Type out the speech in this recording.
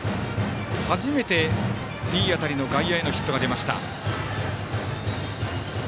初めていい当たりの外野へのヒットが出ました。